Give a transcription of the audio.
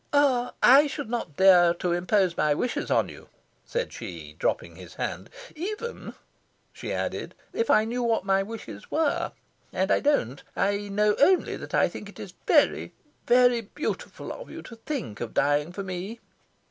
"Ah, I should not dare to impose my wishes on you," said she, dropping his hand. "Even," she added, "if I knew what my wishes were. And I don't. I know only that I think it is very, very beautiful of you to think of dying for me."